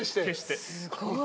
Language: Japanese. すごい。